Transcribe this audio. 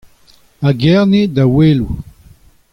A Gerne da Oueloù.